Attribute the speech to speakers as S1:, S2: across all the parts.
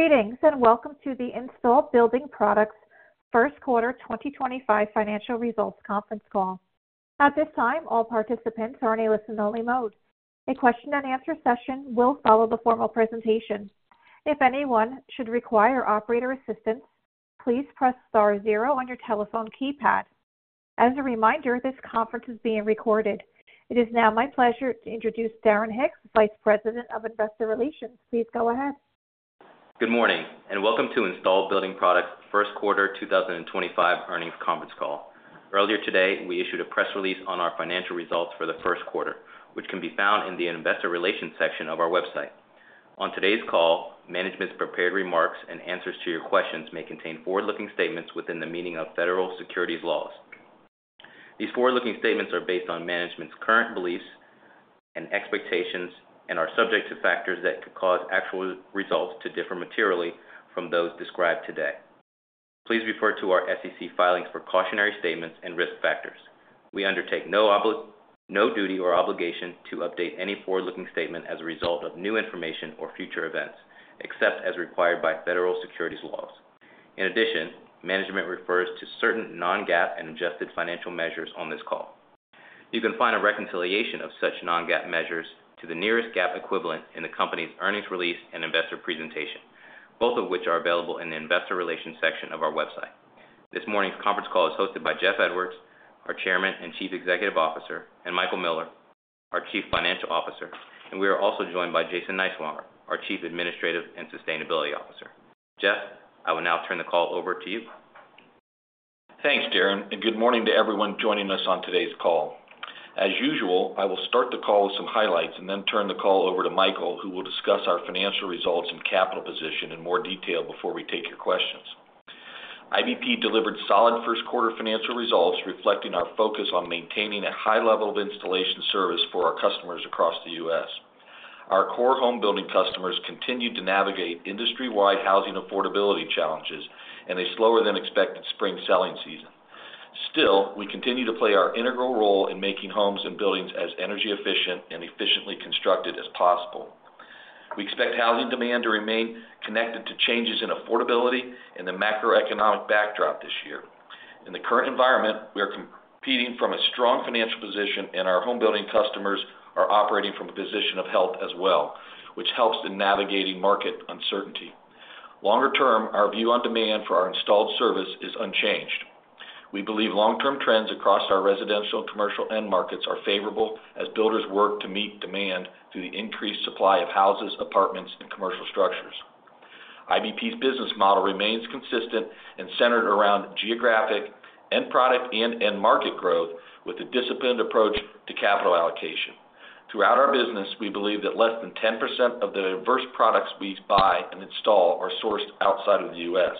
S1: Greetings and welcome to the Installed Building Products First Quarter 2025 Financial Results Conference Call. At this time, all participants are in a listen-only mode. A question-and-answer session will follow the formal presentation. If anyone should require operator assistance, please press star zero on your telephone keypad. As a reminder, this conference is being recorded. It is now my pleasure to introduce Darren Hicks, Vice President of Investor Relations. Please go ahead.
S2: Good morning and welcome to Installed Building Products First Quarter 2025 Earnings Conference Call. Earlier today, we issued a press release on our financial results for the first quarter, which can be found in the investor relations section of our website. On today's call, management's prepared remarks and answers to your questions may contain forward-looking statements within the meaning of federal securities laws. These forward-looking statements are based on management's current beliefs and expectations and are subject to factors that could cause actual results to differ materially from those described today. Please refer to our SEC filings for cautionary statements and risk factors. We undertake no duty or obligation to update any forward-looking statement as a result of new information or future events, except as required by federal securities laws. In addition, management refers to certain non-GAAP and adjusted financial measures on this call. You can find a reconciliation of such non-GAAP measures to the nearest GAAP equivalent in the company's earnings release and investor presentation, both of which are available in the investor relations section of our website. This morning's conference call is hosted by Jeff Edwards, our Chairman and Chief Executive Officer, and Michael Miller, our Chief Financial Officer, and we are also joined by Jason Niswonger, our Chief Administrative and Sustainability Officer. Jeff, I will now turn the call over to you.
S3: Thanks, Darren, and good morning to everyone joining us on today's call. As usual, I will start the call with some highlights and then turn the call over to Michael, who will discuss our financial results and capital position in more detail before we take your questions. IBP delivered solid first quarter financial results reflecting our focus on maintaining a high level of installation service for our customers across the U.S.. Our core home building customers continued to navigate industry-wide housing affordability challenges in a slower than expected spring selling season. Still, we continue to play our integral role in making homes and buildings as energy efficient and efficiently constructed as possible. We expect housing demand to remain connected to changes in affordability and the macroeconomic backdrop this year. In the current environment, we are competing from a strong financial position, and our home building customers are operating from a position of health as well, which helps in navigating market uncertainty. Longer term, our view on demand for our installed service is unchanged. We believe long-term trends across our residential, commercial, and markets are favorable as builders work to meet demand through the increased supply of houses, apartments, and commercial structures. IBP's business model remains consistent and centered around geographic end product and end market growth with a disciplined approach to capital allocation. Throughout our business, we believe that less than 10% of the diverse products we buy and install are sourced outside of the U.S..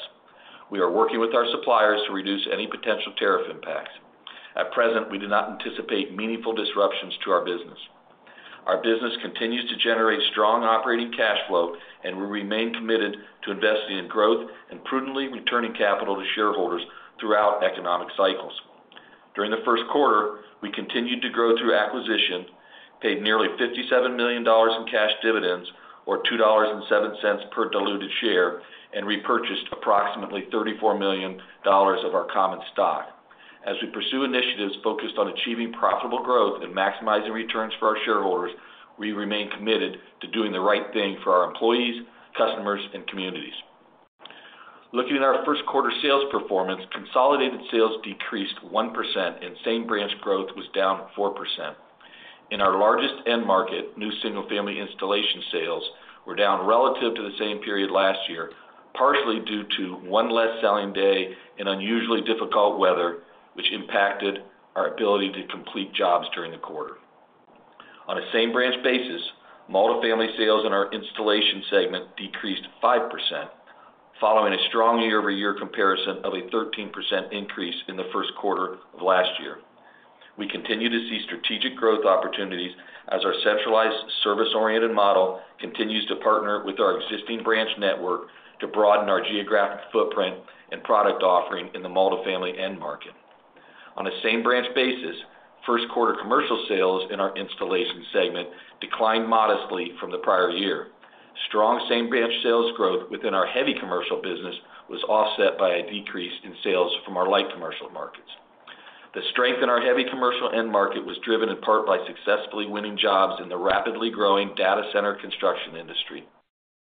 S3: We are working with our suppliers to reduce any potential tariff impacts. At present, we do not anticipate meaningful disruptions to our business. Our business continues to generate strong operating cash flow, and we remain committed to investing in growth and prudently returning capital to shareholders throughout economic cycles. During the first quarter, we continued to grow through acquisition, paid nearly $57 million in cash dividends, or $2.07 per diluted share, and repurchased approximately $34 million of our common stock. As we pursue initiatives focused on achieving profitable growth and maximizing returns for our shareholders, we remain committed to doing the right thing for our employees, customers, and communities. Looking at our first quarter sales performance, consolidated sales decreased 1%, and same branch growth was down 4%. In our largest end market, new single-family installation sales were down relative to the same period last year, partially due to one less selling day and unusually difficult weather, which impacted our ability to complete jobs during the quarter. On a same branch basis, multi-family sales in our installation segment decreased 5%, following a strong year-over-year comparison of a 13% increase in the first quarter of last year. We continue to see strategic growth opportunities as our centralized service-oriented model continues to partner with our existing branch network to broaden our geographic footprint and product offering in the multi-family end market. On a same branch basis, first quarter commercial sales in our installation segment declined modestly from the prior year. Strong same branch sales growth within our heavy commercial business was offset by a decrease in sales from our light commercial markets. The strength in our heavy commercial end market was driven in part by successfully winning jobs in the rapidly growing data center construction industry.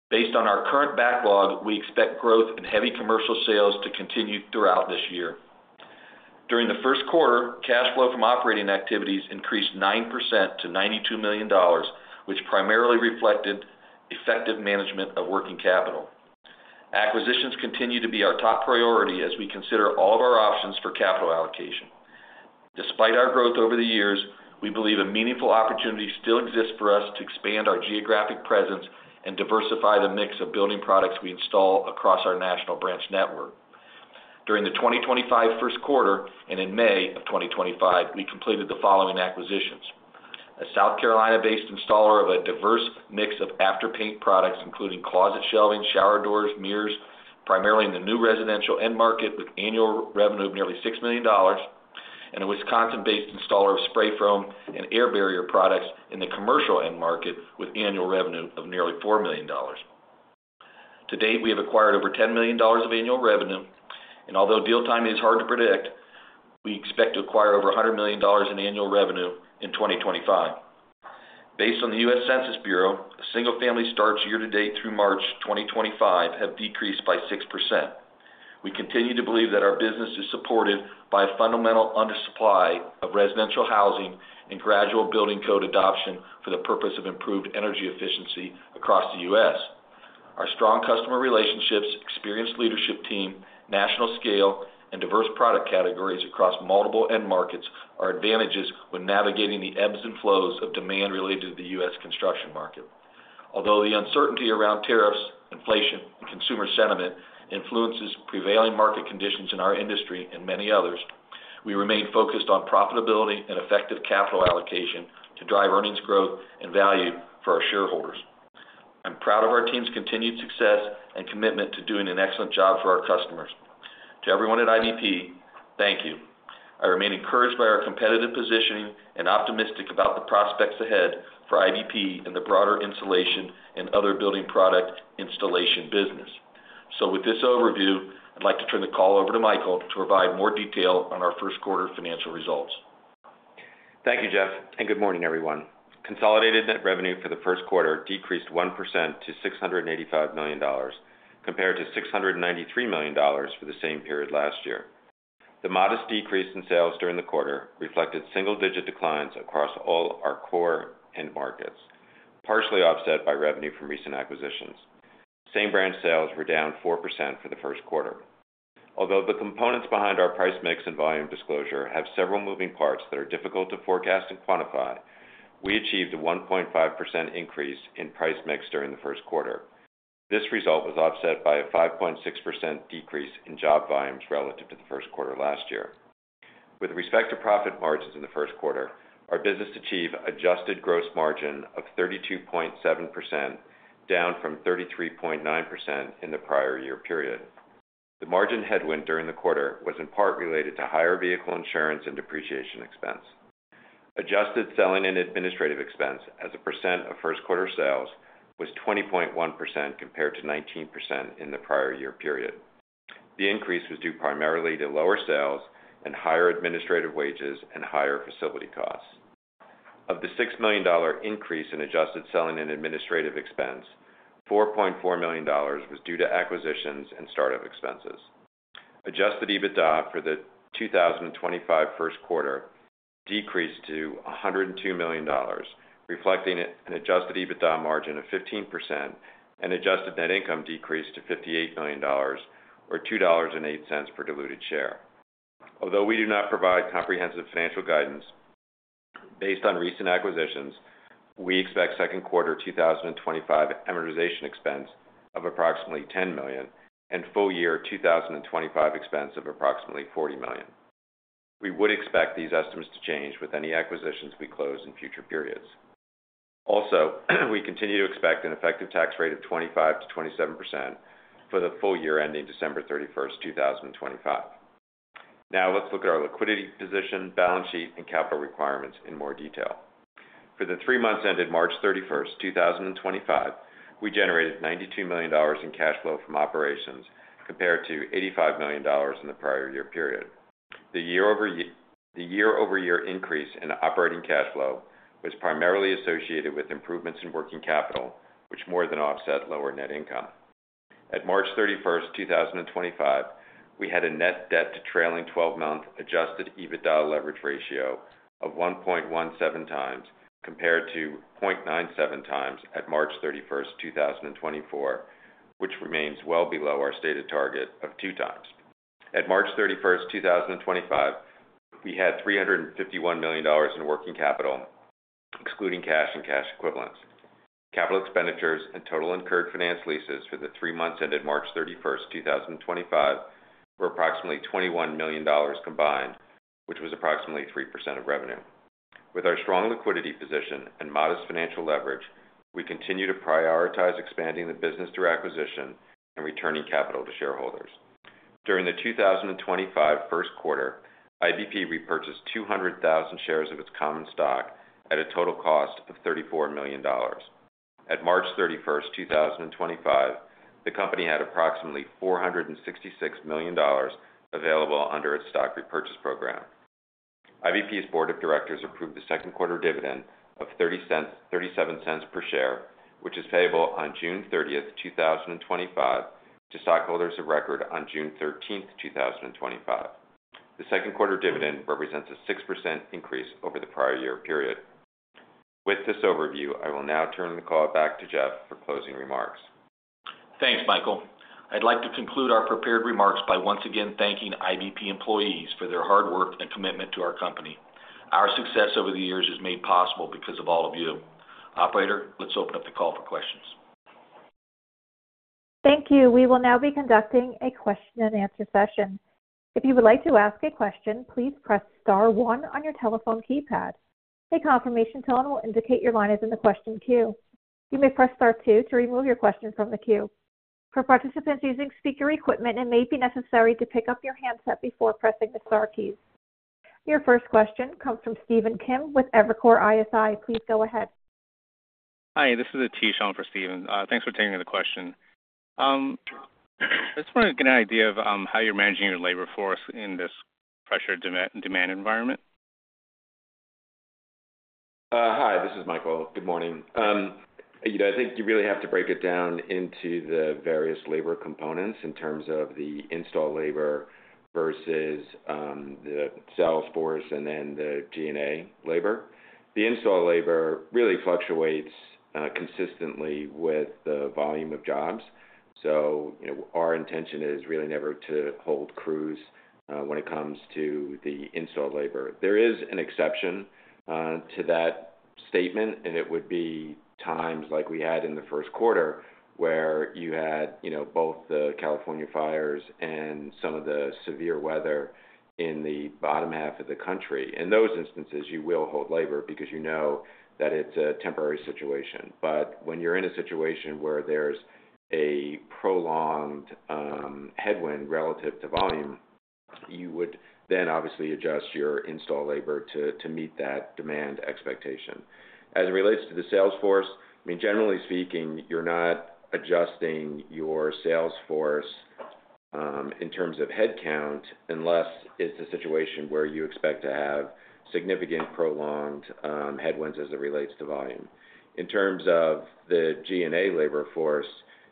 S3: Based on our current backlog, we expect growth in heavy commercial sales to continue throughout this year. During the first quarter, cash flow from operating activities increased 9% to $92 million, which primarily reflected effective management of working capital. Acquisitions continue to be our top priority as we consider all of our options for capital allocation. Despite our growth over the years, we believe a meaningful opportunity still exists for us to expand our geographic presence and diversify the mix of building products we install across our national branch network. During the 2025 first quarter and in May of 2025, we completed the following acquisitions: a South Carolina based installer of a diverse mix of after-paint products, including closet shelving, shower doors, mirrors, primarily in the new residential end market with annual revenue of nearly $6 million, and a Wisconsin based installer of spray foam and air barrier products in the commercial end market with annual revenue of nearly $4 million. To date, we have acquired over $10 million of annual revenue, and although deal time is hard to predict, we expect to acquire over $100 million in annual revenue in 2025. Based on the U.S. Census Bureau, single-family starts year-to-date through March 2025 have decreased by 6%. We continue to believe that our business is supported by a fundamental undersupply of residential housing and gradual building code adoption for the purpose of improved energy efficiency across the U.S.. Our strong customer relationships, experienced leadership team, national scale, and diverse product categories across multiple end markets are advantages when navigating the ebbs and flows of demand related to the U.S. construction market. Although the uncertainty around tariffs, inflation, and consumer sentiment influences prevailing market conditions in our industry and many others, we remain focused on profitability and effective capital allocation to drive earnings growth and value for our shareholders. I'm proud of our team's continued success and commitment to doing an excellent job for our customers. To everyone at IBP, thank you. I remain encouraged by our competitive positioning and optimistic about the prospects ahead for IBP and the broader insulation and other building product installation business. With this overview, I'd like to turn the call over to Michael to provide more detail on our first quarter financial results.
S4: Thank you, Jeff, and good morning, everyone. Consolidated net revenue for the first quarter decreased 1% to $685 million, compared to $693 million for the same period last year. The modest decrease in sales during the quarter reflected single-digit declines across all our core end markets, partially offset by revenue from recent acquisitions. Same branch sales were down 4% for the first quarter. Although the components behind our price mix and volume disclosure have several moving parts that are difficult to forecast and quantify, we achieved a 1.5% increase in price mix during the first quarter. This result was offset by a 5.6% decrease in job volumes relative to the first quarter last year. With respect to profit margins in the first quarter, our business achieved an adjusted gross margin of 32.7%, down from 33.9% in the prior year period. The margin headwind during the quarter was in part related to higher vehicle insurance and depreciation expense. Adjusted selling and administrative expense as a percent of first quarter sales was 20.1% compared to 19% in the prior year period. The increase was due primarily to lower sales and higher administrative wages and higher facility costs. Of the $6 million increase in adjusted selling and administrative expense, $4.4 million was due to acquisitions and startup expenses. Adjusted EBITDA for the 2025 first quarter decreased to $102 million, reflecting an adjusted EBITDA margin of 15%, and adjusted net income decreased to $58 million, or $2.08 per diluted share. Although we do not provide comprehensive financial guidance based on recent acquisitions, we expect second quarter 2025 amortization expense of approximately $10 million and full year 2025 expense of approximately $40 million. We would expect these estimates to change with any acquisitions we close in future periods. Also, we continue to expect an effective tax rate of 25%-27% for the full year ending December 31st, 2025. Now, let's look at our liquidity position, balance sheet, and capital requirements in more detail. For the three months ended March 31st, 2025, we generated $92 million in cash flow from operations compared to $85 million in the prior year period. The year-over-year increase in operating cash flow was primarily associated with improvements in working capital, which more than offset lower net income. At March 31st, 2025, we had a net debt to trailing 12-month adjusted EBITDA leverage ratio of 1.17x compared to 0.97x at March 31st, 2024, which remains well below our stated target of 2x. At March 31st, 2025, we had $351 million in working capital, excluding cash and cash equivalents. Capital expenditures and total incurred finance leases for the three months ended March 31st, 2025 were approximately $21 million combined, which was approximately 3% of revenue. With our strong liquidity position and modest financial leverage, we continue to prioritize expanding the business through acquisition and returning capital to shareholders. During the 2025 first quarter, IBP repurchased 200,000 shares of its common stock at a total cost of $34 million. At March 31st, 2025, the company had approximately $466 million available under its stock repurchase program. IBP's board of directors approved the second quarter dividend of $0.37 per share, which is payable on June 30th, 2025, to stockholders of record on June 13th, 2025. The second quarter dividend represents a 6% increase over the prior year period. With this overview, I will now turn the call back to Jeff for closing remarks.
S3: Thanks, Michael. I'd like to conclude our prepared remarks by once again thanking IBP employees for their hard work and commitment to our company. Our success over the years is made possible because of all of you. Operator, let's open up the call for questions.
S1: Thank you. We will now be conducting a question-and-answer session. If you would like to ask a question, please press Star 1 on your telephone keypad. A confirmation tone will indicate your line is in the question queue. You may press Star 2 to remove your question from the queue. For participants using speaker equipment, it may be necessary to pick up your handset before pressing the Star keys. Your first question comes from Steven Kim with Evercore ISI. Please go ahead.
S5: Hi, this is Aatish on for Steven. Thanks for taking the question. I just want to get an idea of how you're managing your labor force in this pressure demand environment.
S4: Hi, this is Michael. Good morning. I think you really have to break it down into the various labor components in terms of the install labor versus the sales force and then the G&A labor. The install labor really fluctuates consistently with the volume of jobs. So our intention is really never to hold crews when it comes to the install labor. There is an exception to that statement, and it would be times like we had in the first quarter where you had both the California fires and some of the severe weather in the bottom half of the country. In those instances, you will hold labor because you know that it's a temporary situation. But when you're in a situation where there's a prolonged headwind relative to volume, you would then obviously adjust your install labor to meet that demand expectation. As it relates to the sales force, I mean, generally speaking, you're not adjusting your sales force in terms of headcount unless it's a situation where you expect to have significant prolonged headwinds as it relates to volume. In terms of the G&A labor force,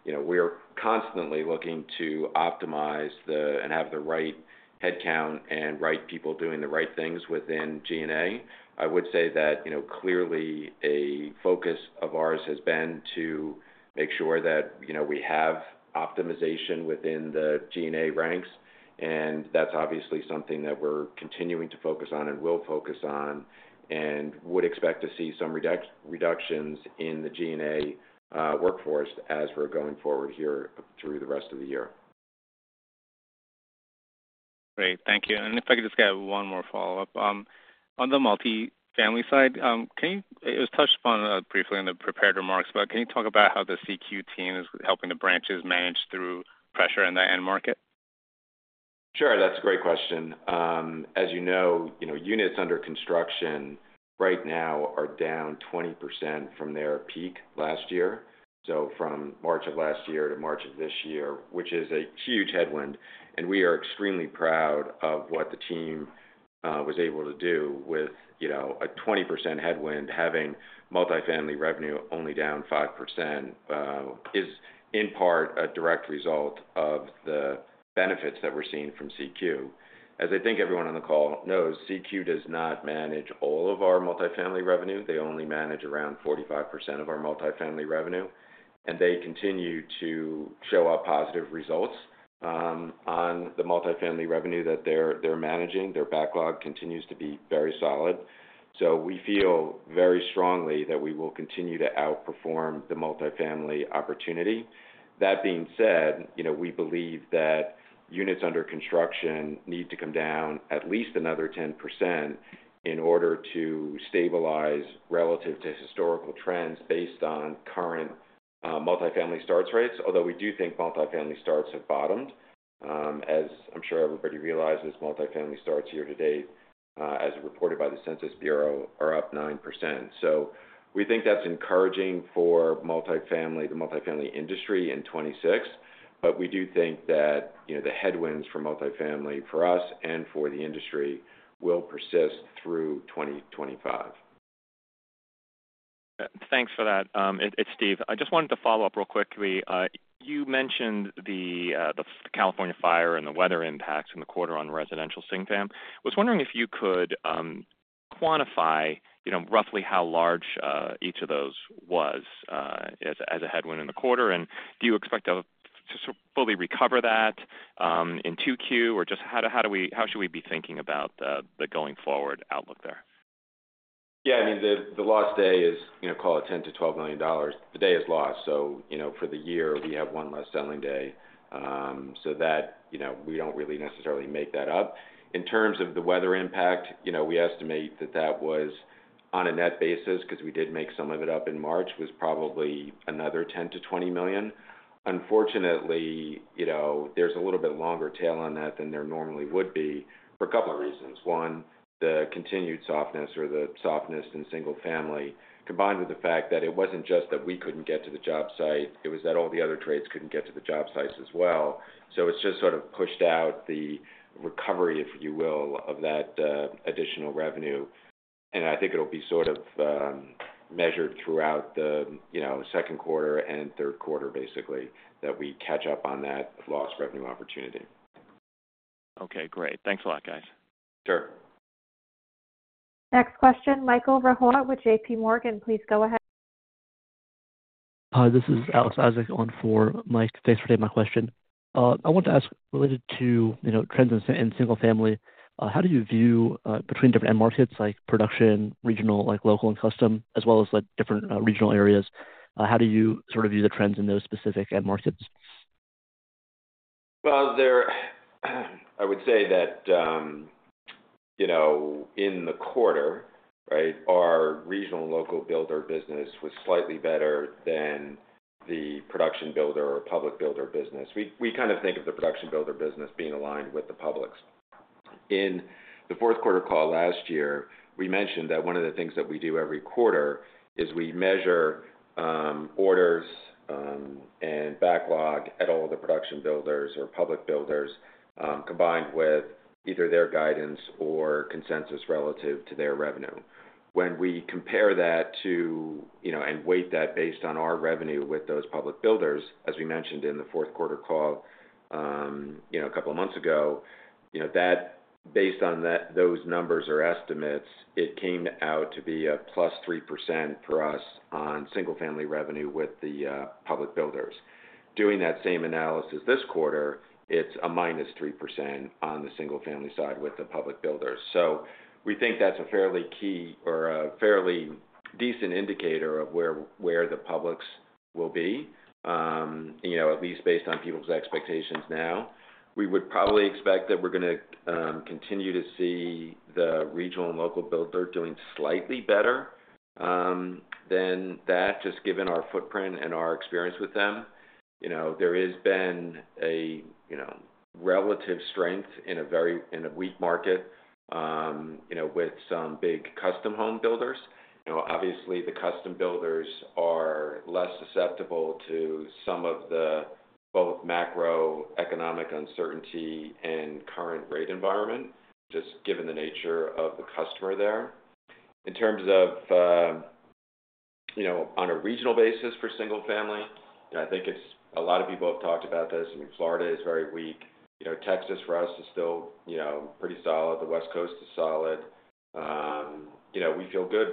S4: we are constantly looking to optimize and have the right headcount and right people doing the right things within G&A. I would say that clearly a focus of ours has been to make sure that we have optimization within the G&A ranks, and that's obviously something that we're continuing to focus on and will focus on and would expect to see some reductions in the G&A workforce as we're going forward here through the rest of the year.
S5: Great. Thank you. If I could just get one more follow-up. On the multi-family side, it was touched upon briefly in the prepared remarks, but can you talk about how the CQ team is helping the branches manage through pressure in the end market?
S4: Sure. That's a great question. As you know, units under construction right now are down 20% from their peak last year, so from March of last year to March of this year, which is a huge headwind. We are extremely proud of what the team was able to do with a 20% headwind, having multi-family revenue only down 5%, is in part a direct result of the benefits that we're seeing from CQ. As I think everyone on the call knows, CQ does not manage all of our multi-family revenue. They only manage around 45% of our multi-family revenue, and they continue to show positive results on the multi-family revenue that they're managing. Their backlog continues to be very solid. We feel very strongly that we will continue to outperform the multi-family opportunity. That being said, we believe that units under construction need to come down at least another 10% in order to stabilize relative to historical trends based on current multi-family starts rates, although we do think multi-family starts have bottomed. As I'm sure everybody realizes, multi-family starts year-to-date, as reported by the U.S. Census Bureau, are up 9%. We think that's encouraging for the multi-family industry in 2026, but we do think that the headwinds for multi-family for us and for the industry will persist through 2025.
S6: Thanks for that. It's Steve. I just wanted to follow up real quickly. You mentioned the California fire and the weather impacts in the quarter on residential. I was wondering if you could quantify roughly how large each of those was as a headwind in the quarter, and do you expect to fully recover that in 2Q, or just how should we be thinking about the going forward outlook there?
S4: Yeah. I mean, the lost day is, call it $10 million-$12 million. The day is lost. For the year, we have one less selling day, so that we do not really necessarily make that up. In terms of the weather impact, we estimate that that was, on a net basis, because we did make some of it up in March, was probably another $10 million-$20 million. Unfortunately, there is a little bit longer tail on that than there normally would be for a couple of reasons. One, the continued softness or the softness in single family, combined with the fact that it was not just that we could not get to the job site, it was that all the other trades could not get to the job sites as well. It just sort of pushed out the recovery, if you will, of that additional revenue. I think it'll be sort of measured throughout the second quarter and third quarter, basically, that we catch up on that lost revenue opportunity.
S6: Okay. Great. Thanks a lot, guys.
S4: Sure.
S1: Next question, Michael Rehaut with JPMorgan. Please go ahead.
S7: Hi, this is Alex Isaac on for Mike. Thanks for taking my question. I wanted to ask related to trends in single family, how do you view between different end markets like production, regional, like local and custom, as well as different regional areas? How do you sort of view the trends in those specific end markets?
S4: I would say that in the quarter, right, our regional and local builder business was slightly better than the production builder or public builder business. We kind of think of the production builder business being aligned with the public. In the fourth quarter call last year, we mentioned that one of the things that we do every quarter is we measure orders and backlog at all the production builders or public builders combined with either their guidance or consensus relative to their revenue. When we compare that to and weight that based on our revenue with those public builders, as we mentioned in the fourth quarter call a couple of months ago, that based on those numbers or estimates, it came out to be a +3% for us on single family revenue with the public builders. Doing that same analysis this quarter, it's a -3% on the single-family side with the public builders. We think that's a fairly key or a fairly decent indicator of where the publics will be, at least based on people's expectations now. We would probably expect that we're going to continue to see the regional and local builder doing slightly better than that, just given our footprint and our experience with them. There has been a relative strength in a weak market with some big custom home builders. Obviously, the custom builders are less susceptible to some of the both macroeconomic uncertainty and current rate environment, just given the nature of the customer there. In terms of on a regional basis for single-family, I think a lot of people have talked about this. I mean, Florida is very weak. Texas for us is still pretty solid. The West Coast is solid. We feel good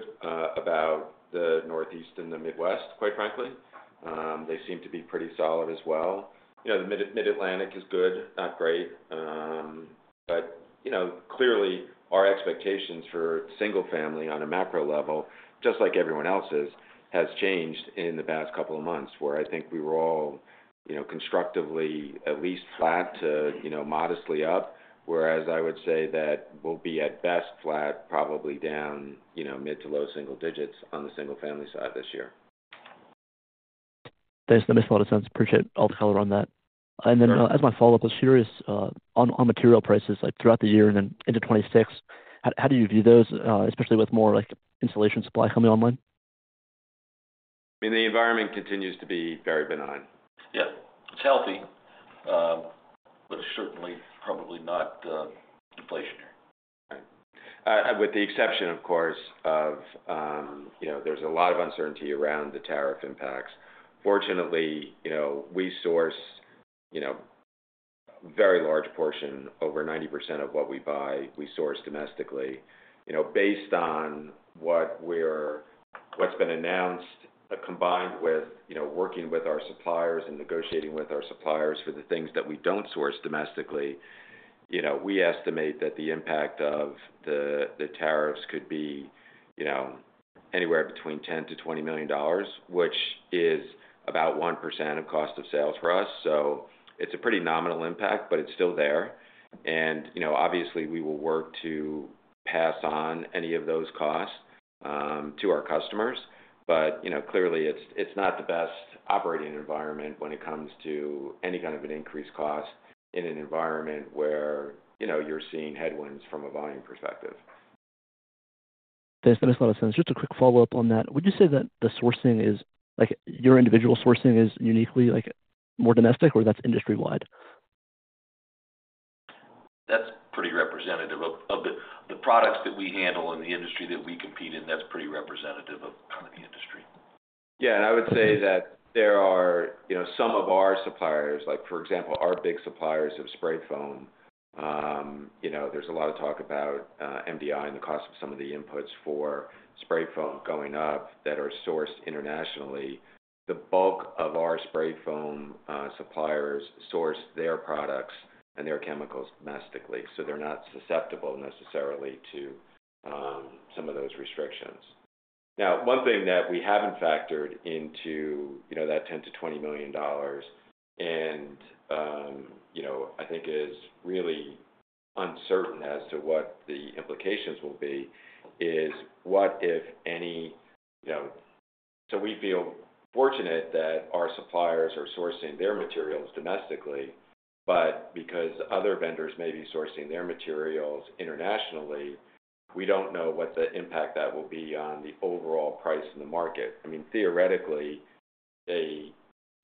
S4: about the Northeast and the Midwest, quite frankly. They seem to be pretty solid as well. The Mid-Atlantic is good, not great. Clearly, our expectations for single family on a macro level, just like everyone else's, has changed in the past couple of months where I think we were all constructively at least flat to modestly up, whereas I would say that we'll be at best flat, probably down mid to low single digits on the single family side this year.
S7: Thanks. That makes a lot of sense. Appreciate all the color on that. As my follow-up, I was curious on material prices throughout the year and then into 2026, how do you view those, especially with more installation supply coming online?
S4: I mean, the environment continues to be very benign.
S3: Yeah. It's healthy, but certainly probably not deflationary.
S4: With the exception, of course, of there's a lot of uncertainty around the tariff impacts. Fortunately, we source a very large portion, over 90% of what we buy, we source domestically. Based on what's been announced, combined with working with our suppliers and negotiating with our suppliers for the things that we don't source domestically, we estimate that the impact of the tariffs could be anywhere between $10 million-$20 million, which is about 1% of cost of sales for us. It's a pretty nominal impact, but it's still there. Obviously, we will work to pass on any of those costs to our customers. Clearly, it's not the best operating environment when it comes to any kind of an increased cost in an environment where you're seeing headwinds from a volume perspective.
S7: Thanks. That makes a lot of sense. Just a quick follow-up on that. Would you say that the sourcing is your individual sourcing is uniquely more domestic, or that's industry-wide?
S3: That's pretty representative of the products that we handle in the industry that we compete in. That's pretty representative of the industry.
S4: Yeah. I would say that there are some of our suppliers, for example, our big suppliers of spray foam, there's a lot of talk about MDI and the cost of some of the inputs for spray foam going up that are sourced internationally. The bulk of our spray foam suppliers source their products and their chemicals domestically. They are not susceptible necessarily to some of those restrictions. Now, one thing that we have not factored into that $10 million-$20 million, and I think is really uncertain as to what the implications will be, is what, if any, so we feel fortunate that our suppliers are sourcing their materials domestically, but because other vendors may be sourcing their materials internationally, we do not know what the impact that will be on the overall price in the market. I mean, theoretically, a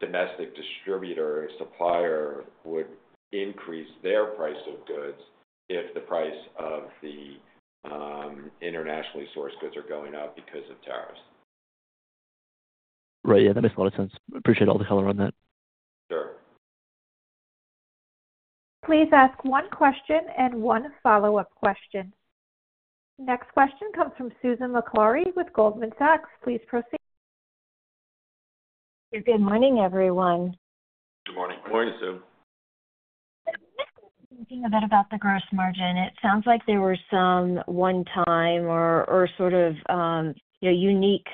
S4: domestic distributor or supplier would increase their price of goods if the price of the internationally sourced goods are going up because of tariffs.
S7: Right. Yeah. That makes a lot of sense. Appreciate all the color on that.
S4: Sure.
S1: Please ask one question and one follow-up question. Next question comes from Susan Maklari with Goldman Sachs. Please proceed.
S8: Good morning, everyone.
S3: Good morning.
S4: Good morning, Sue.
S8: Thinking a bit about the gross margin, it sounds like there were some one-time or sort of unique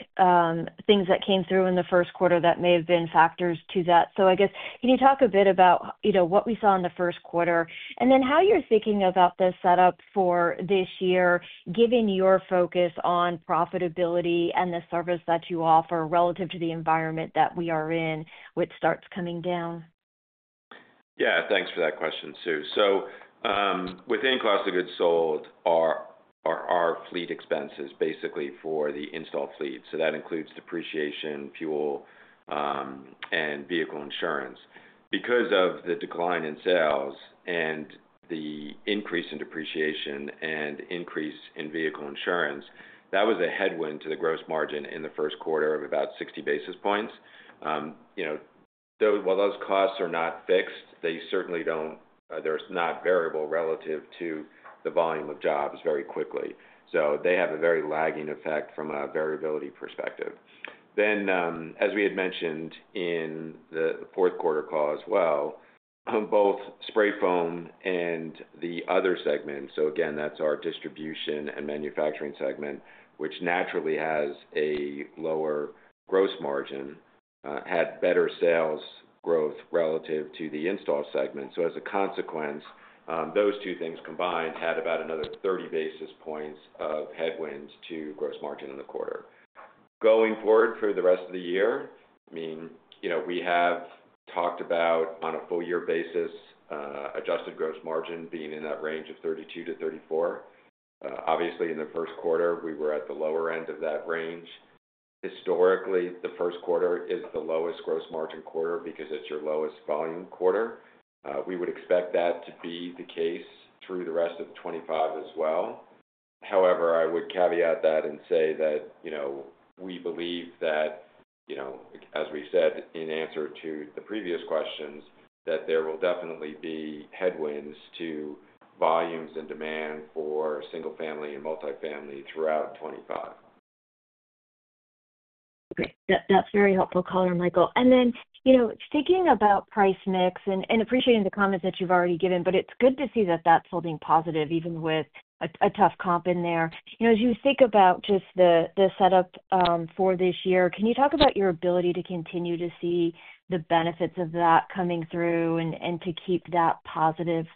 S8: things that came through in the first quarter that may have been factors to that. I guess, can you talk a bit about what we saw in the first quarter and then how you're thinking about the setup for this year, given your focus on profitability and the service that you offer relative to the environment that we are in, which starts coming down?
S4: Yeah. Thanks for that question, Sue. Within cost of goods sold are our fleet expenses basically for the install fleet. That includes depreciation, fuel, and vehicle insurance. Because of the decline in sales and the increase in depreciation and increase in vehicle insurance, that was a headwind to the gross margin in the first quarter of about 60 basis points. While those costs are not fixed, they certainly do not—they are not variable relative to the volume of jobs very quickly. They have a very lagging effect from a variability perspective. As we had mentioned in the fourth quarter call as well, both spray foam and the other segment—again, that is our distribution and manufacturing segment, which naturally has a lower gross margin—had better sales growth relative to the install segment. As a consequence, those two things combined had about another 30 basis points of headwinds to gross margin in the quarter. Going forward for the rest of the year, I mean, we have talked about on a full-year basis, adjusted gross margin being in that range of 32-34. Obviously, in the first quarter, we were at the lower end of that range. Historically, the first quarter is the lowest gross margin quarter because it is your lowest volume quarter. We would expect that to be the case through the rest of 2025 as well. However, I would caveat that and say that we believe that, as we said in answer to the previous questions, there will definitely be headwinds to volumes and demand for single-family and multi-family throughout 2025.
S8: Okay. That's very helpful, color and Michael. Speaking about price mix and appreciating the comments that you've already given, it's good to see that that's holding positive even with a tough comp in there. As you think about just the setup for this year, can you talk about your ability to continue to see the benefits of that coming through and to keep that positive?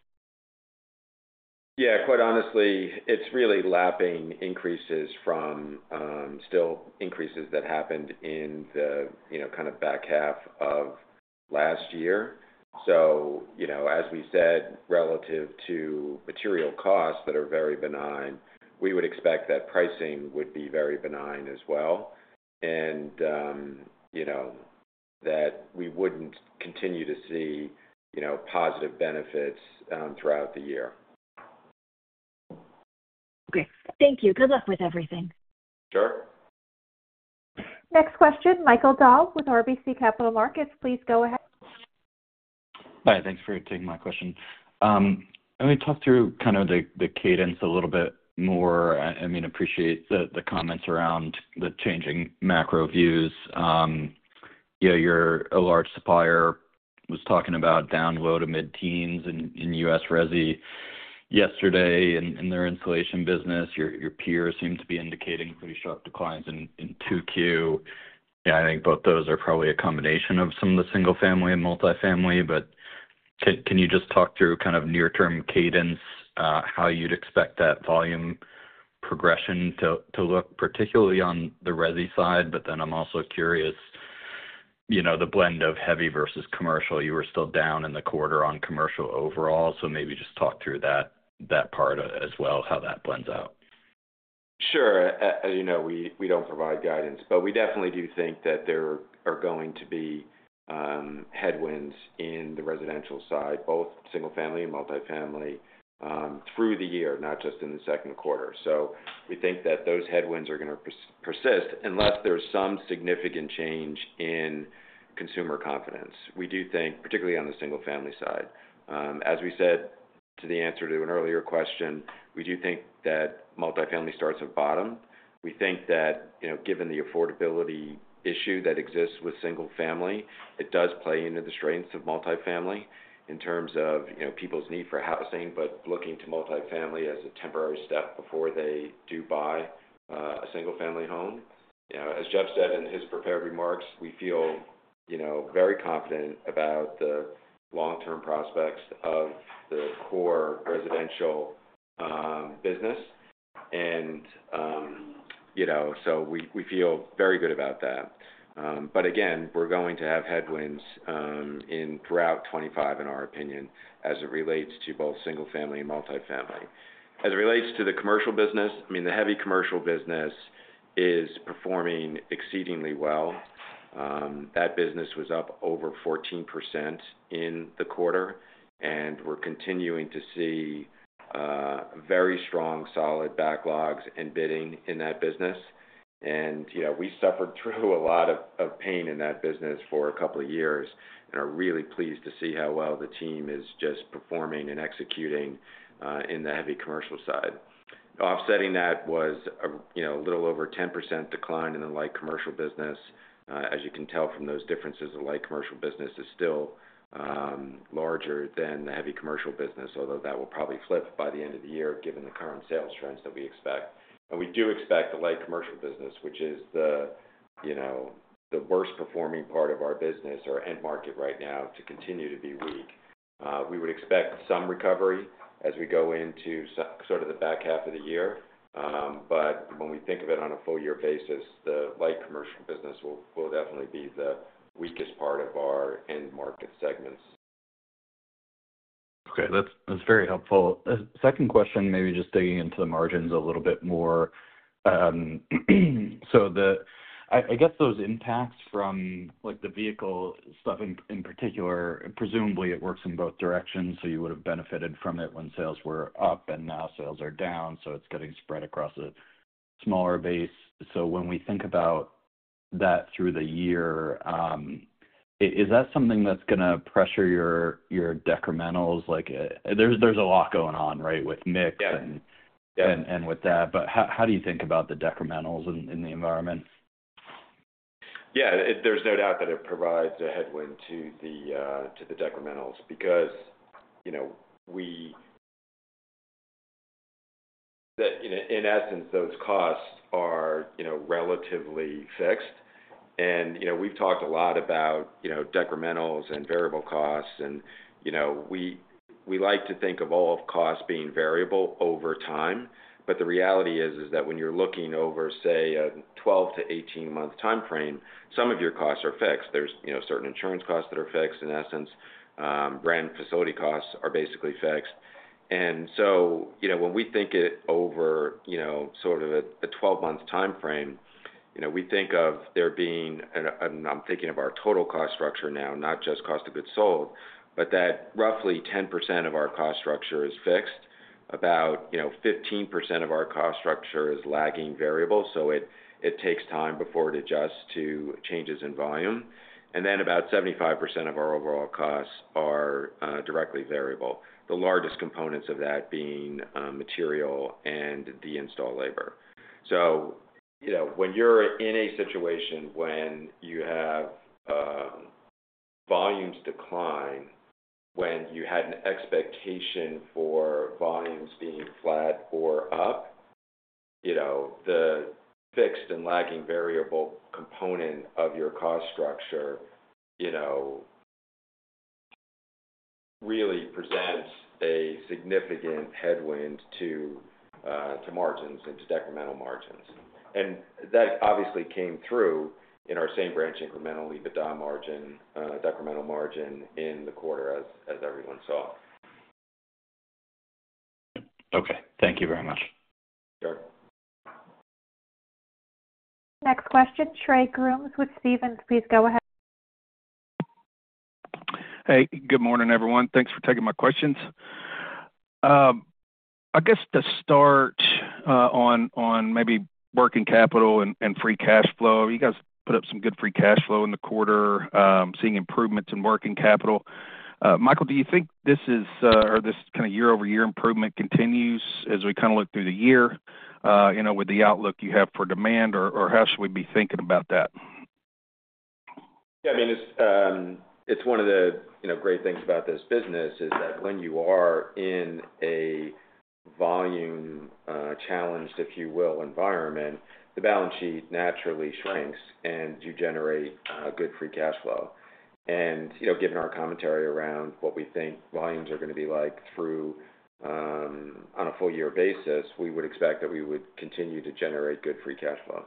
S4: Yeah. Quite honestly, it's really lapping increases from still increases that happened in the kind of back half of last year. As we said, relative to material costs that are very benign, we would expect that pricing would be very benign as well and that we wouldn't continue to see positive benefits throughout the year.
S8: Okay. Thank you. Good luck with everything.
S4: Sure.
S1: Next question, Michael Dahl with RBC Capital Markets. Please go ahead.
S9: Hi. Thanks for taking my question. Let me talk through kind of the cadence a little bit more. I mean, appreciate the comments around the changing macro views. Your large supplier was talking about down low to mid-teens in U.S. resi yesterday in their installation business. Your peers seem to be indicating pretty sharp declines in 2Q. Yeah. I think both those are probably a combination of some of the single-family and multi-family. Can you just talk through kind of near-term cadence, how you'd expect that volume progression to look, particularly on the resi side? I'm also curious, the blend of heavy versus commercial. You were still down in the quarter on commercial overall. Maybe just talk through that part as well, how that blends out.
S4: Sure. As you know, we do not provide guidance, but we definitely do think that there are going to be headwinds in the residential side, both single family and multi-family, through the year, not just in the second quarter. We think that those headwinds are going to persist unless there is some significant change in consumer confidence. We do think, particularly on the single family side. As we said to the answer to an earlier question, we do think that multi-family starts have bottomed. We think that given the affordability issue that exists with single family, it does play into the strengths of multi-family in terms of people's need for housing, but looking to multi-family as a temporary step before they do buy a single family home. As Jeff said in his prepared remarks, we feel very confident about the long-term prospects of the core residential business. We feel very good about that. Again, we're going to have headwinds throughout 2025, in our opinion, as it relates to both single-family and multi-family. As it relates to the commercial business, I mean, the heavy commercial business is performing exceedingly well. That business was up over 14% in the quarter, and we're continuing to see very strong, solid backlogs and bidding in that business. We suffered through a lot of pain in that business for a couple of years and are really pleased to see how well the team is just performing and executing in the heavy commercial side. Offsetting that was a little over 10% decline in the light commercial business. As you can tell from those differences, the light commercial business is still larger than the heavy commercial business, although that will probably flip by the end of the year given the current sales trends that we expect. We do expect the light commercial business, which is the worst-performing part of our business, our end market right now, to continue to be weak. We would expect some recovery as we go into sort of the back half of the year. When we think of it on a full-year basis, the light commercial business will definitely be the weakest part of our end market segments.
S9: Okay. That's very helpful. Second question, maybe just digging into the margins a little bit more. I guess those impacts from the vehicle stuff in particular, presumably it works in both directions. You would have benefited from it when sales were up and now sales are down. It is getting spread across a smaller base. When we think about that through the year, is that something that's going to pressure your decrementals? There is a lot going on, right, with mix and with that. How do you think about the decrementals in the environment?
S4: Yeah. There's no doubt that it provides a headwind to the decrementals because we, in essence, those costs are relatively fixed. We've talked a lot about decrementals and variable costs. We like to think of all of costs being variable over time. The reality is that when you're looking over, say, a 12 to 18-month time frame, some of your costs are fixed. There are certain insurance costs that are fixed. In essence, rent and facility costs are basically fixed. When we think it over sort of a 12-month time frame, we think of there being—and I'm thinking of our total cost structure now, not just cost of goods sold—but that roughly 10% of our cost structure is fixed. About 15% of our cost structure is lagging variable. It takes time before it adjusts to changes in volume. About 75% of our overall costs are directly variable, the largest components of that being material and the install labor. When you are in a situation when you have volumes decline, when you had an expectation for volumes being flat or up, the fixed and lagging variable component of your cost structure really presents a significant headwind to margins and to decremental margins. That obviously came through in our same branch incrementally, but decremental margin in the quarter, as everyone saw.
S9: Okay. Thank you very much.
S4: Sure.
S1: Next question, Trey Grooms with Stephens. Please go ahead.
S10: Hey. Good morning, everyone. Thanks for taking my questions. I guess to start on maybe working capital and free cash flow, you guys put up some good free cash flow in the quarter, seeing improvements in working capital. Michael, do you think this kind of year-over-year improvement continues as we kind of look through the year with the outlook you have for demand, or how should we be thinking about that?
S4: Yeah. I mean, it's one of the great things about this business is that when you are in a volume-challenged, if you will, environment, the balance sheet naturally shrinks and you generate good free cash flow. Given our commentary around what we think volumes are going to be like on a full-year basis, we would expect that we would continue to generate good free cash flow.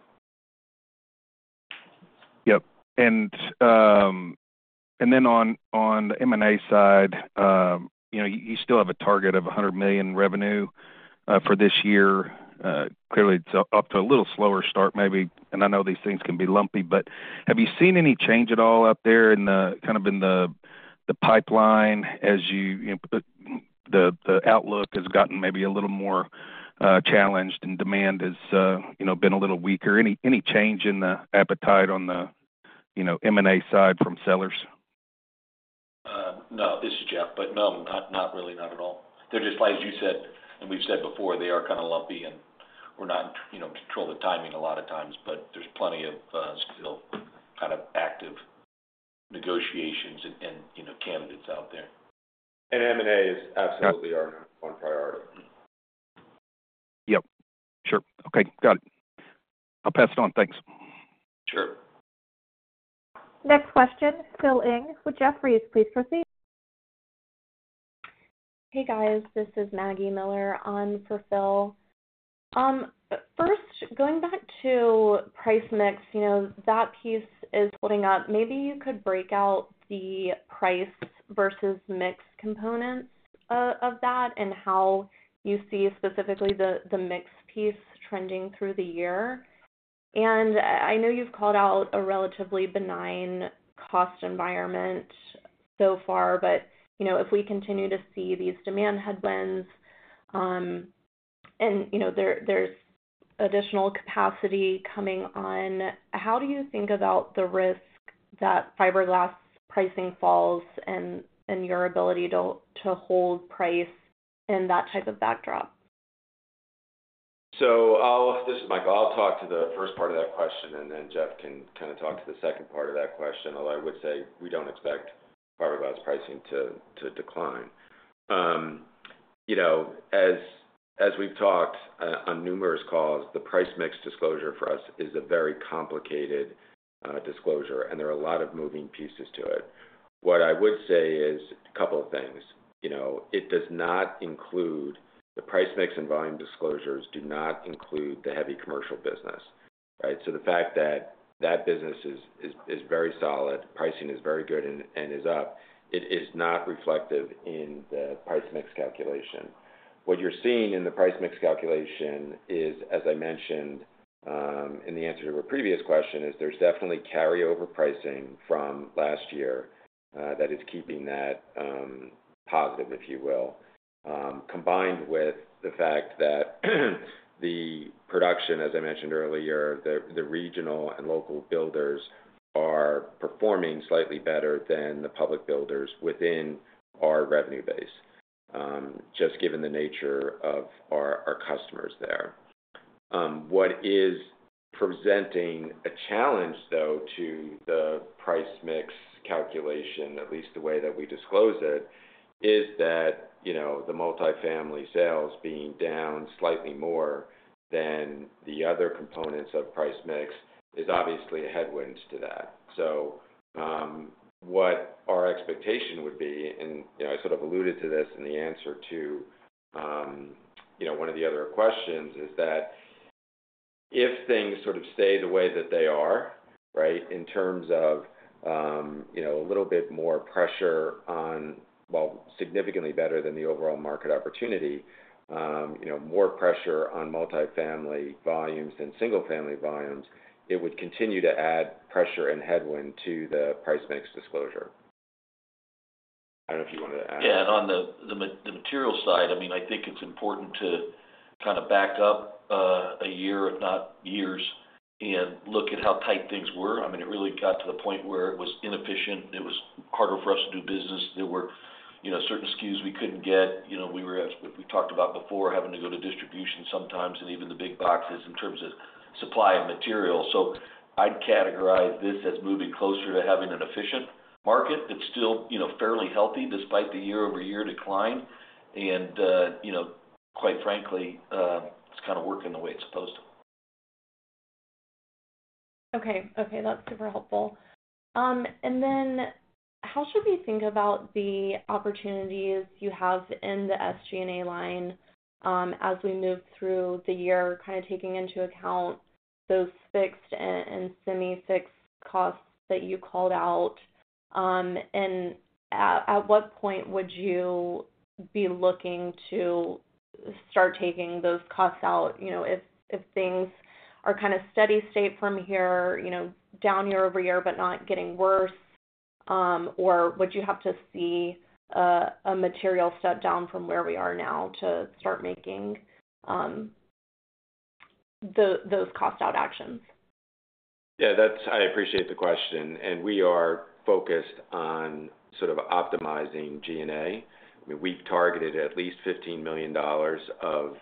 S10: Yep. And then on the M&A side, you still have a target of $100 million revenue for this year. Clearly, it's off to a little slower start, maybe. And I know these things can be lumpy, but have you seen any change at all up there in the kind of in the pipeline as the outlook has gotten maybe a little more challenged and demand has been a little weaker? Any change in the appetite on the M&A side from sellers?
S3: No. This is Jeff. No, not really, not at all. They're just, like you said, and we've said before, they are kind of lumpy, and we're not in control of the timing a lot of times, but there's plenty of still kind of active negotiations and candidates out there.
S4: M&A is absolutely our number one priority.
S10: Yep. Sure. Okay. Got it. I'll pass it on. Thanks.
S4: Sure.
S1: Next question, Phil Ng with Jefferies. Please proceed.
S11: Hey, guys. This is Maggie Miller on for Phil. First, going back to price mix, that piece is holding up. Maybe you could break out the price versus mix components of that and how you see specifically the mix piece trending through the year. I know you've called out a relatively benign cost environment so far, but if we continue to see these demand headwinds and there's additional capacity coming on, how do you think about the risk that fiberglass pricing falls and your ability to hold price in that type of backdrop?
S4: This is Michael. I'll talk to the first part of that question, and then Jeff can kind of talk to the second part of that question. Although I would say we don't expect fiberglass pricing to decline. As we've talked on numerous calls, the price mix disclosure for us is a very complicated disclosure, and there are a lot of moving pieces to it. What I would say is a couple of things. It does not include the price mix and volume disclosures do not include the heavy commercial business, right? The fact that that business is very solid, pricing is very good, and is up, it is not reflective in the price mix calculation. What you're seeing in the price mix calculation is, as I mentioned in the answer to a previous question, there's definitely carryover pricing from last year that is keeping that positive, if you will, combined with the fact that the production, as I mentioned earlier, the regional and local builders are performing slightly better than the public builders within our revenue base, just given the nature of our customers there. What is presenting a challenge, though, to the price mix calculation, at least the way that we disclose it, is that the multi-family sales being down slightly more than the other components of price mix is obviously a headwind to that. What our expectation would be—and I sort of alluded to this in the answer to one of the other questions—is that if things sort of stay the way that they are, right, in terms of a little bit more pressure on, well, significantly better than the overall market opportunity, more pressure on multi-family volumes than single-family volumes, it would continue to add pressure and headwind to the price mix disclosure. I do not know if you wanted to add.
S3: Yeah. On the material side, I think it is important to kind of back up a year, if not years, and look at how tight things were. I mean, it really got to the point where it was inefficient. It was harder for us to do business. There were certain SKUs we could not get. We were at, we've talked about before, having to go to distribution sometimes and even the big boxes in terms of supply of material. I would categorize this as moving closer to having an efficient market that's still fairly healthy despite the year-over-year decline. Quite frankly, it's kind of working the way it's supposed to.
S11: Okay. Okay. That's super helpful. How should we think about the opportunities you have in the SG&A line as we move through the year, kind of taking into account those fixed and semi-fixed costs that you called out? At what point would you be looking to start taking those costs out if things are kind of steady state from here down year-over-year, but not getting worse? Would you have to see a material step down from where we are now to start making those cost-out actions?
S4: Yeah. I appreciate the question. We are focused on sort of optimizing G&A. I mean, we've targeted at least $15 million of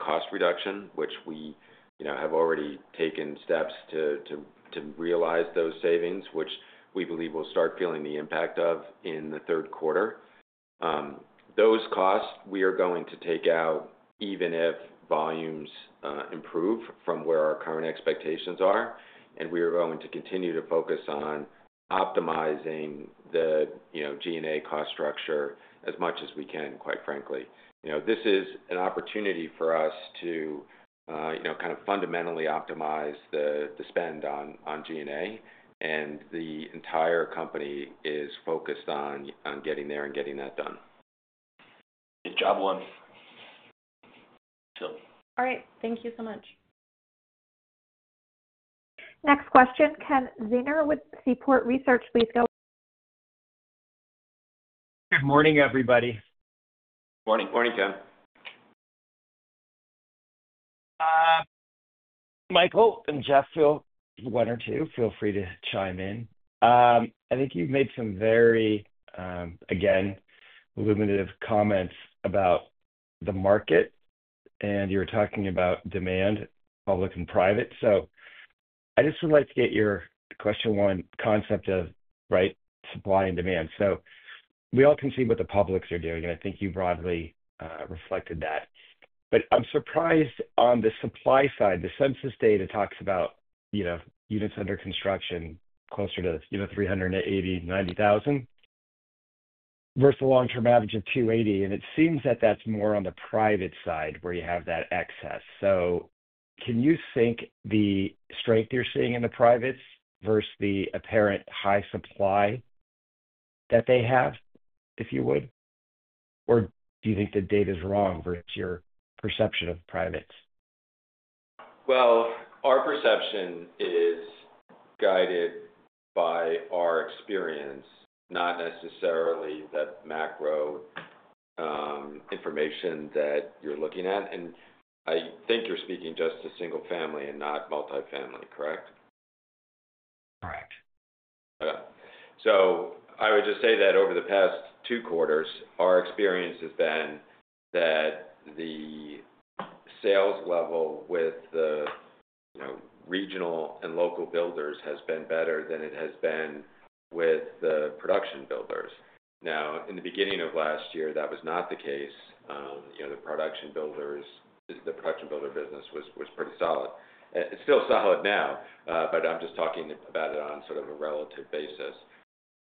S4: cost reduction, which we have already taken steps to realize those savings, which we believe we'll start feeling the impact of in the third quarter. Those costs, we are going to take out even if volumes improve from where our current expectations are. We are going to continue to focus on optimizing the G&A cost structure as much as we can, quite frankly. This is an opportunity for us to kind of fundamentally optimize the spend on G&A. The entire company is focused on getting there and getting that done.
S3: Good job, one. So.
S11: All right. Thank you so much.
S1: Next question, Ken Zener with Seaport Research. Please go.
S12: Good morning, everybody.
S3: Morning.
S4: Morning, Ken.
S12: Michael and Jeff, Phil, one or two, feel free to chime in. I think you've made some very, again, illuminative comments about the market, and you were talking about demand, public and private. I just would like to get your question one concept of, right, supply and demand. We all can see what the publics are doing, and I think you broadly reflected that. I'm surprised on the supply side. The census data talks about units under construction closer to 380, 90,000 versus the long-term average of 280. It seems that that's more on the private side where you have that excess. Can you think the strength you're seeing in the privates versus the apparent high supply that they have, if you would? Do you think the data is wrong versus your perception of the privates?
S4: Our perception is guided by our experience, not necessarily the macro information that you're looking at. I think you're speaking just to single-family and not multi-family, correct?
S12: Correct.
S4: Okay. I would just say that over the past two quarters, our experience has been that the sales level with the regional and local builders has been better than it has been with the production builders. In the beginning of last year, that was not the case. The production builder business was pretty solid. It's still solid now, but I'm just talking about it on sort of a relative basis.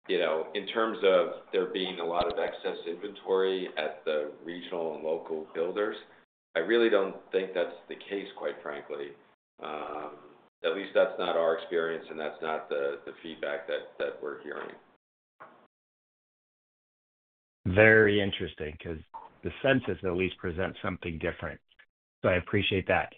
S4: In terms of there being a lot of excess inventory at the regional and local builders, I really don't think that's the case, quite frankly. At least that's not our experience, and that's not the feedback that we're hearing.
S12: Very interesting because the census at least presents something different. I appreciate that.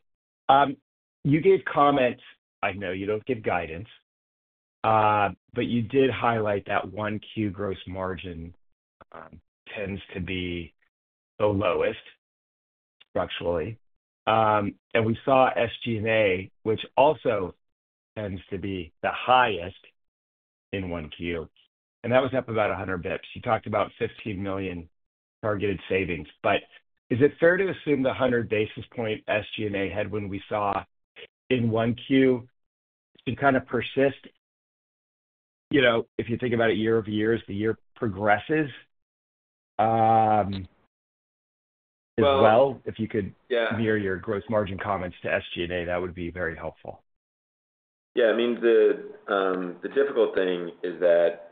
S12: You gave comments—I know you do not give guidance—but you did highlight that 1Q gross margin tends to be the lowest structurally. We saw SG&A, which also tends to be the highest in 1Q, and that was up about 100 basis points. You talked about $15 million targeted savings. Is it fair to assume the 100 basis point SG&A headwind we saw in 1Q should kind of persist? If you think about it year-over-year, as the year progresses, as well, if you could mirror your gross margin comments to SG&A, that would be very helpful.
S4: Yeah. I mean, the difficult thing is that,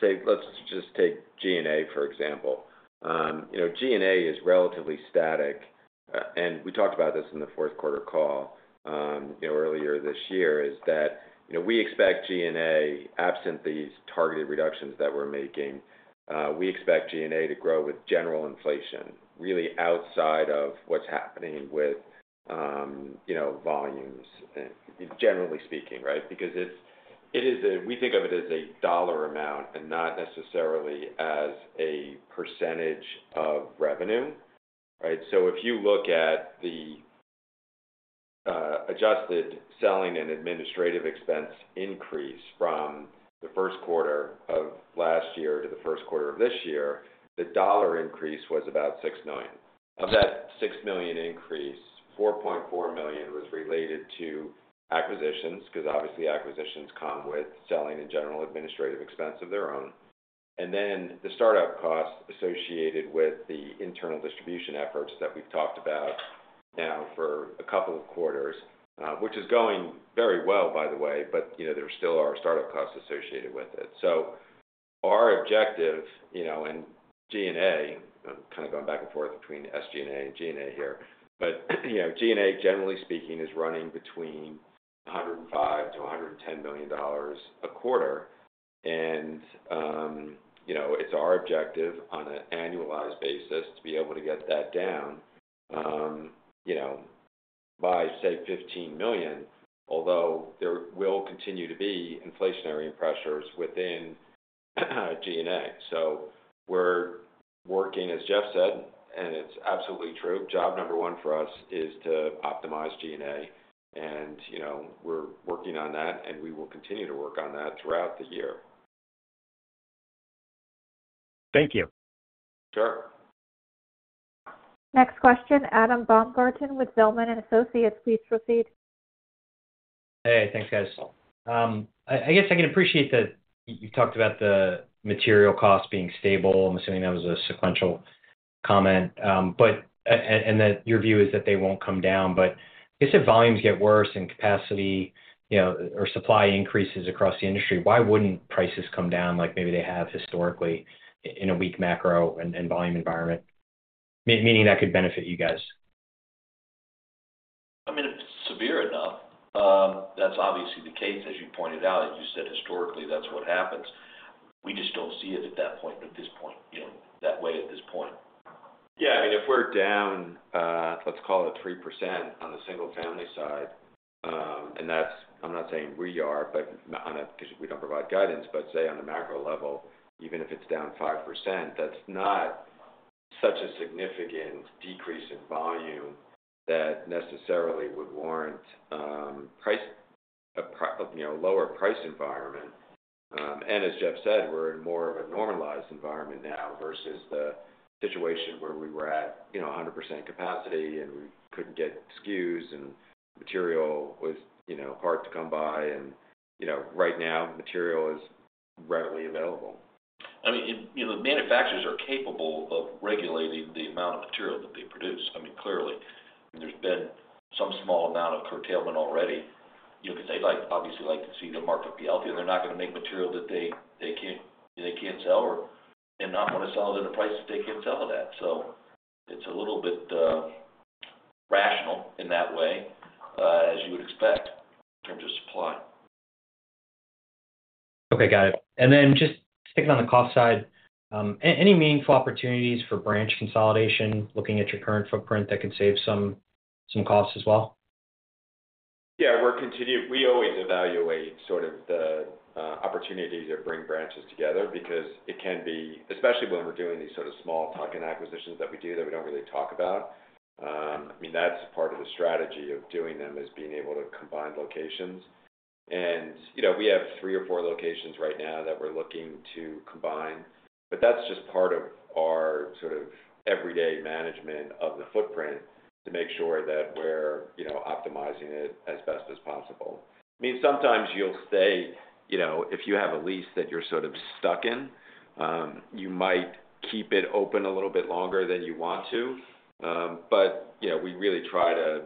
S4: say, let's just take G&A, for example. G&A is relatively static. I mean, we talked about this in the fourth quarter call earlier this year, is that we expect G&A, absent these targeted reductions that we're making, we expect G&A to grow with general inflation, really outside of what's happening with volumes, generally speaking, right? Because we think of it as a dollar amount and not necessarily as a percentage of revenue, right? If you look at the adjusted selling and administrative expense increase from the first quarter of last year to the first quarter of this year, the dollar increase was about $6 million. Of that $6 million increase, $4.4 million was related to acquisitions because, obviously, acquisitions come with selling and general administrative expense of their own. The startup costs associated with the internal distribution efforts that we have talked about now for a couple of quarters, which is going very well, by the way, but there still are startup costs associated with it. Our objective and G&A—I am kind of going back and forth between SG&A and G&A here—but G&A, generally speaking, is running between $105 million-$110 million a quarter. It is our objective on an annualized basis to be able to get that down by, say, $15 million, although there will continue to be inflationary pressures within G&A. We are working, as Jeff said, and it is absolutely true. Job number one for us is to optimize G&A, and we are working on that, and we will continue to work on that throughout the year.
S12: Thank you.
S4: Sure.
S1: Next question, Adam Baumgarten with Zelman & Associates. Please proceed.
S13: Hey. Thanks, guys. I guess I can appreciate that you've talked about the material costs being stable. I'm assuming that was a sequential comment, and that your view is that they won't come down. If the volumes get worse and capacity or supply increases across the industry, why wouldn't prices come down like maybe they have historically in a weak macro and volume environment, meaning that could benefit you guys?
S3: I mean, if it's severe enough, that's obviously the case, as you pointed out. As you said, historically, that's what happens. We just don't see it at this point, that way at this point.
S4: Yeah. I mean, if we're down, let's call it 3% on the single-family side, and that's—I'm not saying we are, because we don't provide guidance—but say on the macro level, even if it's down 5%, that's not such a significant decrease in volume that necessarily would warrant a lower price environment. As Jeff said, we're in more of a normalized environment now versus the situation where we were at 100% capacity, and we couldn't get SKUs, and material was hard to come by. Right now, material is readily available.
S3: I mean, manufacturers are capable of regulating the amount of material that they produce. I mean, clearly, there's been some small amount of curtailment already because they obviously like to see the market be healthy, and they're not going to make material that they can't sell or they're not going to sell it at a price that they can sell it at. It is a little bit rational in that way, as you would expect, in terms of supply.
S13: Okay. Got it. Just sticking on the cost side, any meaningful opportunities for branch consolidation, looking at your current footprint, that could save some costs as well?
S4: Yeah. We always evaluate sort of the opportunity to bring branches together because it can be, especially when we're doing these sort of small-token acquisitions that we do that we do not really talk about. I mean, that's part of the strategy of doing them, is being able to combine locations. And we have three or four locations right now that we're looking to combine, but that's just part of our sort of everyday management of the footprint to make sure that we're optimizing it as best as possible. I mean, sometimes you'll say if you have a lease that you're sort of stuck in, you might keep it open a little bit longer than you want to. But we really try to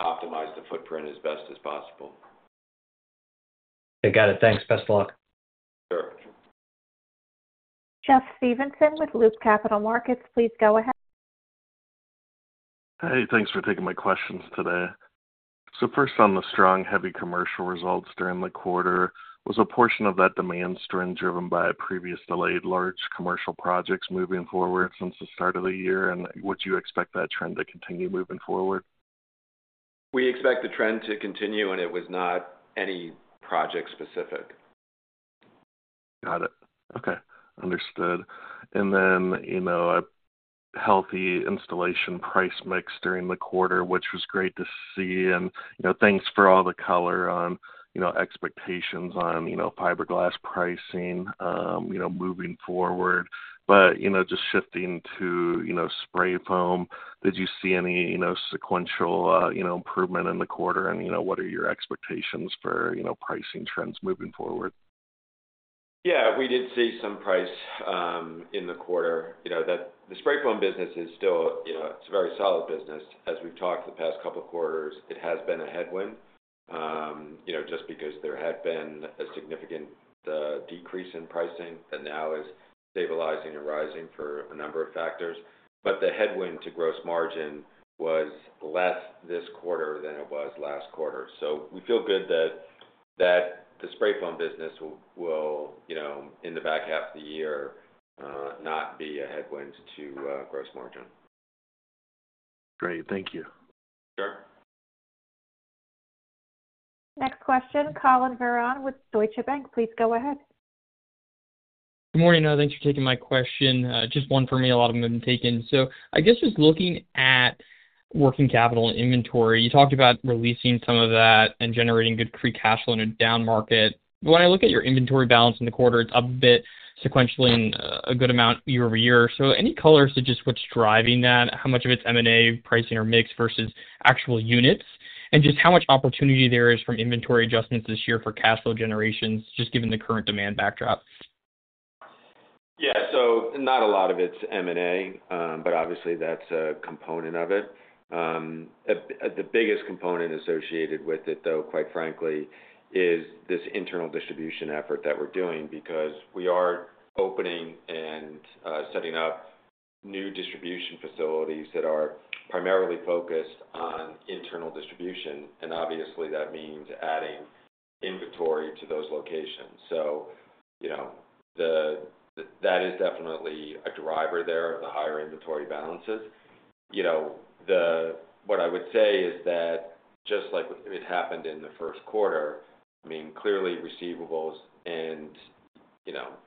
S4: optimize the footprint as best as possible.
S13: I got it. Thanks. Best of luck.
S4: Sure.
S1: Jeff Stevenson with Loop Capital Markets. Please go ahead.
S14: Hey. Thanks for taking my questions today. First, on the strong, heavy commercial results during the quarter, was a portion of that demand strength driven by previously delayed large commercial projects moving forward since the start of the year? Would you expect that trend to continue moving forward?
S4: We expect the trend to continue, and it was not any project-specific.
S14: Got it. Okay. Understood. A healthy installation price mix during the quarter, which was great to see. Thanks for all the color on expectations on fiberglass pricing moving forward. Just shifting to spray foam, did you see any sequential improvement in the quarter? What are your expectations for pricing trends moving forward?
S4: Yeah. We did see some price in the quarter. The spray foam business is still—it's a very solid business. As we've talked the past couple of quarters, it has been a headwind just because there had been a significant decrease in pricing that now is stabilizing and rising for a number of factors. The headwind to gross margin was less this quarter than it was last quarter. We feel good that the spray foam business will, in the back half of the year, not be a headwind to gross margin.
S14: Great. Thank you.
S4: Sure.
S1: Next question, Collin Verron with Deutsche Bank. Please go ahead.
S15: Good morning. Thanks for taking my question. Just one for me. A lot of them have been taken. I guess just looking at working capital and inventory, you talked about releasing some of that and generating good free cash flow in a down market. When I look at your inventory balance in the quarter, it is up a bit sequentially and a good amount year-over-year. Any color as to just what is driving that? How much of it is M&A, pricing, or mix versus actual units? How much opportunity is there from inventory adjustments this year for cash flow generation, just given the current demand backdrop?
S4: Yeah. Not a lot of it is M&A, but obviously, that's a component of it. The biggest component associated with it, though, quite frankly, is this internal distribution effort that we're doing because we are opening and setting up new distribution facilities that are primarily focused on internal distribution. Obviously, that means adding inventory to those locations. That is definitely a driver there of the higher inventory balances. What I would say is that just like it happened in the first quarter, I mean, clearly, receivables and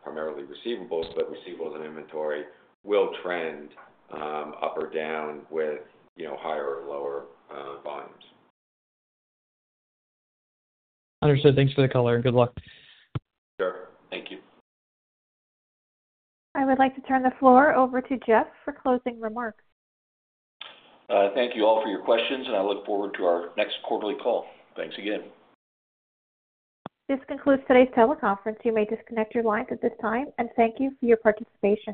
S4: primarily receivables, but receivables and inventory will trend up or down with higher or lower volumes.
S15: Understood. Thanks for the color. Good luck.
S4: Sure. Thank you.
S1: I would like to turn the floor over to Jeff for closing remarks.
S3: Thank you all for your questions, and I look forward to our next quarterly call. Thanks again.
S1: This concludes today's teleconference. You may disconnect your lines at this time. Thank you for your participation.